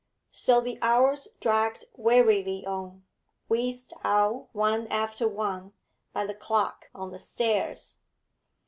So the hours dragged wearily on, wheezed out, one after one, by the clock on the stairs.